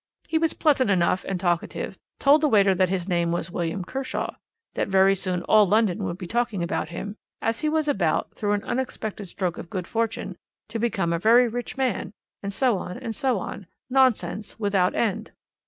He was pleasant enough and talkative, told the waiter that his name was William Kershaw, that very soon all London would be talking about him, as he was about, through an unexpected stroke of good fortune, to become a very rich man, and so on, and so on, nonsense without end.